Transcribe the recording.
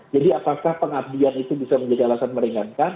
jadi apakah pengabdian itu bisa menjadi alasan meringankan